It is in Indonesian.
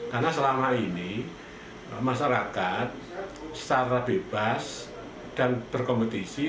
karena selama ini masyarakat secara bebas dan berkompetisi